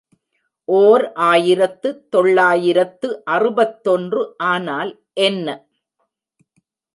ஓர் ஆயிரத்து தொள்ளாயிரத்து அறுபத்தொன்று ஆனால் என்ன?